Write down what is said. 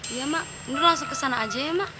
iya mak nur langsung kesana aja ya mak